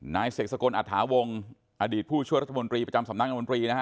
เสกสกลอัฐาวงอดีตผู้ช่วยรัฐมนตรีประจำสำนักมนตรีนะฮะ